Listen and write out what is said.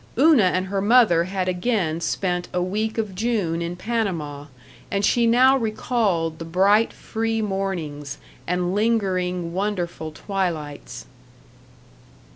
Una and her mother had again spent a week of June in Panama, and she now recalled the bright, free mornings and lingering, wonderful twilights.